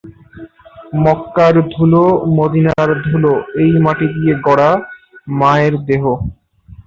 মক্কার ধুলো, মদিনার ধুলো, এই মাটি দিয়ে গড়া মায়ের দেহ।